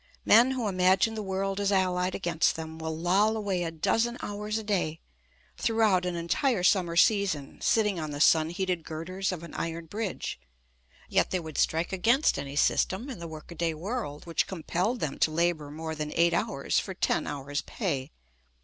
Men who imagine the world is allied against them will loll away a dozen hours a day, throughout an entire summer season, sitting on the sun heated girders of an iron bridge; yet they would strike against any system in the work a day world which compelled them to labor more than eight hours for ten hours' pay.